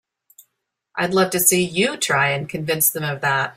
I'd love to see you try and convince them of that!